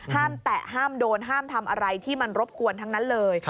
แตะห้ามโดนห้ามทำอะไรที่มันรบกวนทั้งนั้นเลย